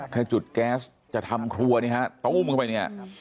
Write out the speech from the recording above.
แค่จุดแก๊สจะทำครัวเนี่ยฮะตุ้มเข้าไปเนี่ย